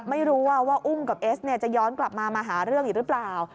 ไม่รู้ว่าอุ้มกับเอสจะย้อนกลับมามาหาเรื่องอีกหรือเปล่า